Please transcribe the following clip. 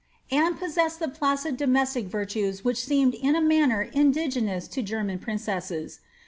Anne possessed the placid domestic virtues which seem in a manner iniKgcDoiia to German princesses.